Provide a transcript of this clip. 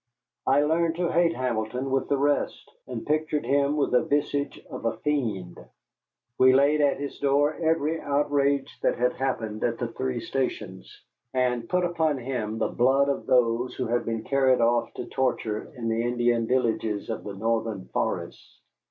I learned to hate Hamilton with the rest, and pictured him with the visage of a fiend. We laid at his door every outrage that had happened at the three stations, and put upon him the blood of those who had been carried off to torture in the Indian villages of the northern forests.